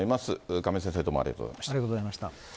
亀井先生、どうもありがとうござありがとうございました。